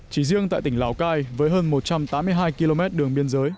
chỉ riêng tại tỉnh lào cai với hơn một trăm tám mươi hai km đường biên giới